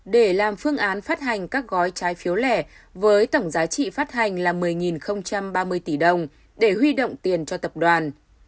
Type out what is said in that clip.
để làm phương án phát hành các gói trái phiếu lẻ với tổng giá trị phát hành là một mươi ba mươi tỷ đồng để huy động tiền cho tập đoàn